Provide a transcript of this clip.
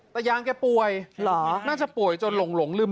แต่ยางแกป่วยน่าจะป่วยจนหลงลืม